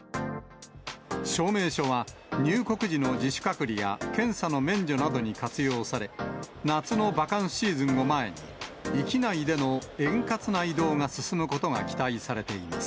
証明書は、入国時の自主隔離や検査の免除などに活用され、夏のバカンスシーズンを前に、域内での円滑な移動が進むことが期待されています。